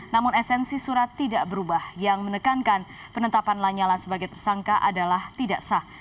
namun esensi surat tidak berubah yang menekankan penetapan lanyala sebagai tersangka adalah tidak sah